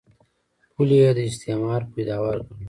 پولې یې د استعمار پیداوار ګاڼه.